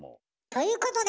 ということで！